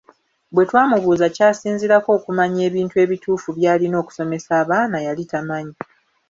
Bwe twamubuuza ky’asinziirako okumanya ebintu ebituufu by’alina okusomesa abaana yali tamanyi.